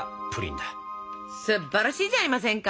すっばらしいじゃありませんか！